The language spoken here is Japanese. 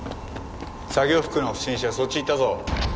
作業服の不審者そっち行ったぞ。